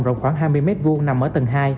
rộng khoảng hai mươi m hai nằm ở tầng hai